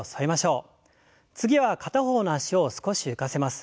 次は片方の脚を少し浮かせます。